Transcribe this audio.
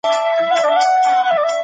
ما پخوا دا ډول پېچلی کوډ نه و لیدلی.